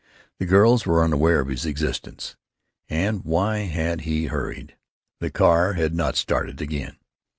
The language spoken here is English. The girls were unaware of his existence. And why had he hurried? The car had not started again.